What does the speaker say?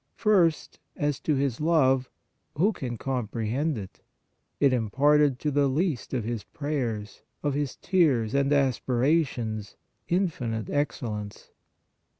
First, as to His love; who can comprehend it? It imparted to the least of His prayers, of His tears and aspirations infinite excellence.